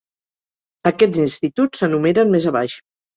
Aquests instituts s'enumeren més abaix.